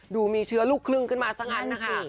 ดูมีเชื้อลูกครึ่งขึ้นมาซะงั้นนะคะ